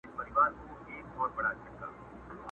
اوس به څوك د هندوكش سندري بولي٫